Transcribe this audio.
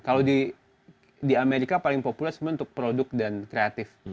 kalau di amerika paling populer sebenarnya untuk produk dan kreatif